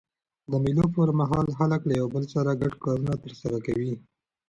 د مېلو پر مهال خلک له یو بل سره ګډ کارونه ترسره کوي.